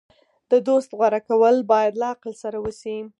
د دوست غوره کول باید له عقل سره وشي.